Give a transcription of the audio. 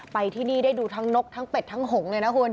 ไปที่นี่ได้ดูทั้งนกทั้งเป็ดทั้งหงเลยนะคุณ